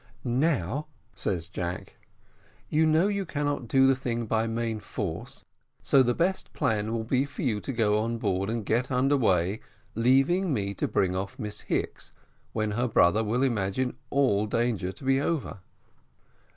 "Now," says Jack, "you know you cannot do the thing by main force; so the best plan will be for you to go on board and get under way, leaving me to bring off Miss Hicks, when her brother will imagine all danger to be over."